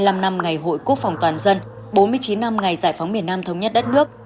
bảy mươi năm năm ngày hội quốc phòng toàn dân bốn mươi chín năm ngày giải phóng miền nam thống nhất đất nước